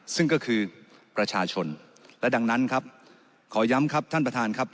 ซึ่งก็คือประชาชนและดังนั้นครับขอย้ำครับท่านประธานครับ